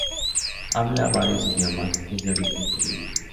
Habla varios idiomas y es de origen judío.